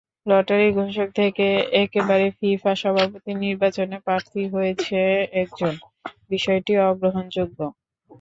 লটারির ঘোষক থেকে একেবারে ফিফা সভাপতির নির্বাচনে প্রার্থী হয়েছে একজন, বিষয়টি অগ্রহণযোগ্য।